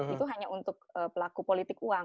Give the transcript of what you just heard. itu hanya untuk pelaku politik uang